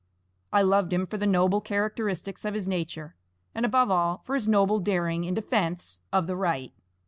I loved him for the noble characteristics of his nature, and above all for his noble daring in defense of the right.